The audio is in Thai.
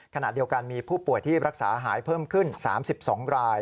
ขณะเดียวกันมีผู้ป่วยที่รักษาหายเพิ่มขึ้น๓๒ราย